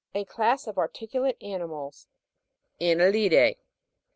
A class of articulate J animals. ANEL'LID.E.